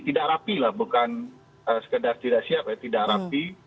tidak rapi lah bukan sekedar tidak siap ya tidak rapi